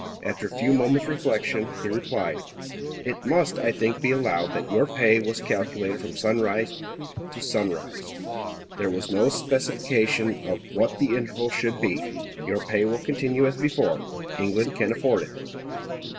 After a few moments' reflection, he replied, "It must, I think, be allowed that your pay was calculated from sunrise to sunrise; there was no specification of what the interval should be. Your pay will continue as before. England can afford it."